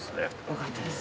よかったです